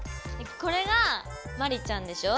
これがマリちゃんでしょ。